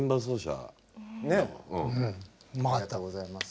ありがとうございます。